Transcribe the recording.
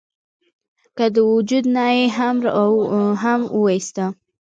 کۀ د وجود نه ئې هم اوويستۀ ؟